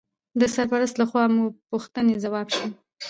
د سرپرست لخوا مو پوښتنې ځواب شوې.